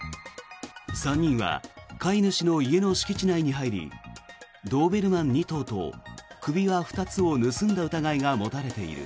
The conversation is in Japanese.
３人は飼い主の家の敷地内に入りドーベルマン２頭と首輪２つを盗んだ疑いがもたれている。